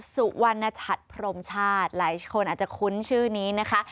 สุวรรณชัดพรมชาติหลายคนอาจจะคุ้นชื่อนี้นะคะ